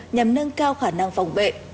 nhằm nâng cao khả năng phòng vệ